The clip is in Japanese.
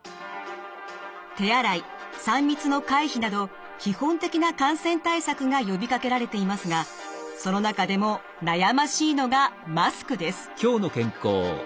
手洗い３密の回避など基本的な感染対策が呼びかけられていますがその中でも悩ましいのがマスクです。